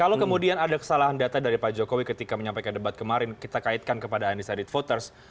kalau kemudian ada kesalahan data dari pak jokowi ketika menyampaikan debat kemarin kita kaitkan kepada undecided voters